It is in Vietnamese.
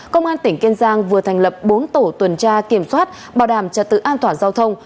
công an tỉnh kiên giang vừa thành lập bốn tổ tuần tra kiểm soát bảo đảm trật tự an toàn giao thông